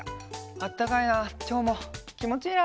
あったかいなきょうもきもちいいな。